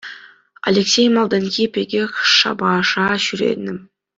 Алексей малтанхи пекех шапаша ҫӳренӗ.